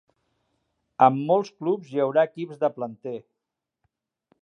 En molts clubs hi haurà equips de planter.